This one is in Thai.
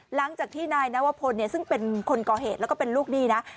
หลังจากที่นายนวพลเนี่ยซึ่งเป็นคนก่อเหตุแล้วก็เป็นลูกหนี้นะ